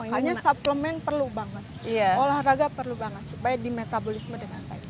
makanya suplemen perlu banget olahraga perlu banget supaya di metabolisme dia matai